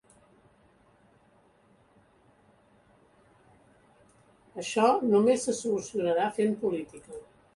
Això només se solucionarà fent política.